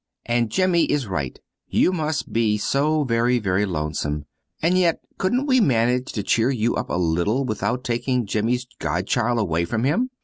And Jimmy is right; you must be so very very lonesome! And yet couldn't we manage to cheer you up a little without taking Jimmy's godchild away from him?